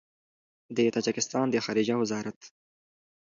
د تاجکستان د خارجه وزارت